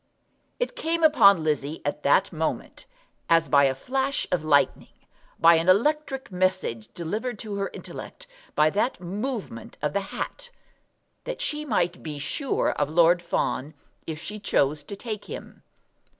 It came upon Lizzie at that moment, as by a flash of lightning, by an electric message delivered to her intellect by that movement of the hat, that she might be sure of Lord Fawn if she chose to take him.